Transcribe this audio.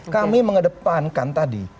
kami mengedepankan tadi